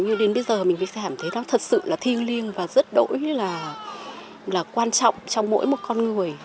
như đến bây giờ mình phải cảm thấy nó thật sự là thiêng liêng và rất đỗi là quan trọng trong mỗi một con người